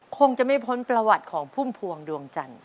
คงจะไม่พ้นประวัติของพุ่มพวงดวงจันทร์